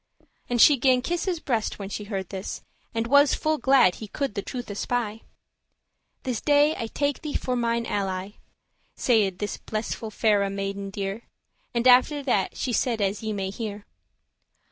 And she gan kiss his breast when she heard this, And was full glad he could the truth espy: "This day I take thee for mine ally."* *chosen friend Saide this blissful faire maiden dear; And after that she said as ye may hear.